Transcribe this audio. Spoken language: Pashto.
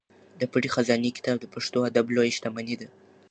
د پټې خزانې کتاب د پښتو ادب لویه شتمني ده.